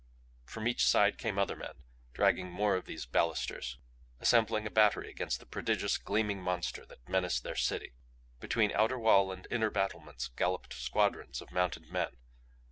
From each side came other men, dragging more of these balisters; assembling a battery against the prodigious, gleaming monster that menaced their city. Between outer wall and inner battlements galloped squadrons of mounted men.